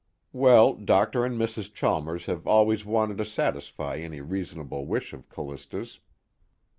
Well, Dr. and Mrs. Chalmers have always wanted to satisfy any reasonable wish of Callista's."